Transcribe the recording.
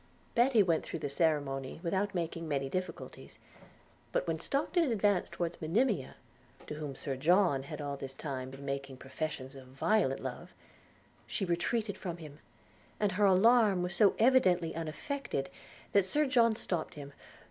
Betty went through the ceremony without making many difficulties; but when Stockton advanced towards Monimia, to whom Sir John had all this time been making professions of violent love, she retreated from him; and her alarm was so evidently unaffected that Sir John stopped him.